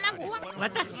わたしの！